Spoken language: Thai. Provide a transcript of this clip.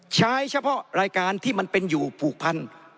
ใช้เฉพาะรายการที่มันเป็นอยู่ผูกพัน